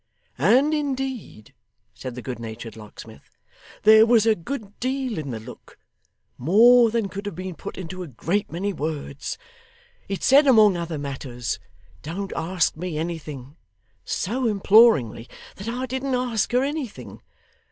And indeed,' said the good natured locksmith, 'there was a good deal in the look, more than could have been put into a great many words. It said among other matters "Don't ask me anything" so imploringly, that I didn't ask her anything.